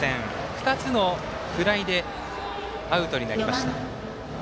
２つのフライでアウトになりました。